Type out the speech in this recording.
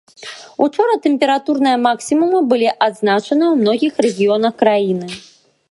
Учора тэмпературныя максімумы былі адзначаныя ў многіх рэгіёнах краіны.